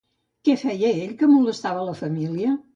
Què feia ell que molestava a la família?